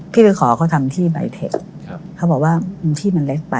ไปขอเขาทำที่ใบเทคเขาบอกว่าที่มันเล็กไป